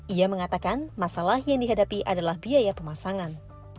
ia mengatakan masalah yang dihadapi adalah biaya pemasangan